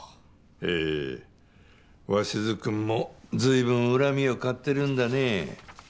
へぇ鷲津君も随分恨みを買ってるんだね。